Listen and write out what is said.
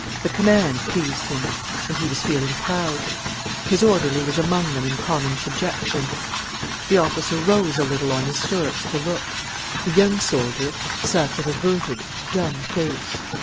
The command pleased him. And he was feeling proud. His orderly was among them in common subjection. The officer rose a little on his stirrups to look. The young soldier sat with averted, dumb face.